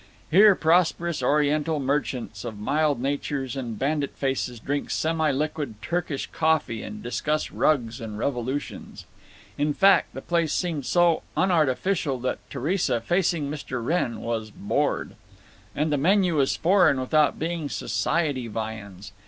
Here prosperous Oriental merchants, of mild natures and bandit faces, drink semi liquid Turkish coffee and discuss rugs and revolutions. In fact, the place seemed so unartificial that Theresa, facing Mr. Wrenn, was bored. And the menu was foreign without being Society viands.